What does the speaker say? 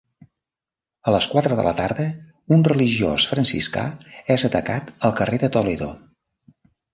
A les quatre de la tarda un religiós franciscà és atacat al carrer de Toledo.